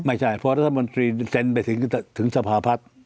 ไม่ใช่เพราะรัฐมนตรีเซ็นไปถึงสภาพัฒน์